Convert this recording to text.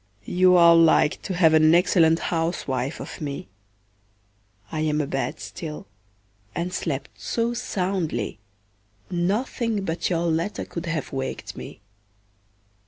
You are like to have an excellent housewife of me; I am abed still, and slept so soundly, nothing but your letter could have waked me.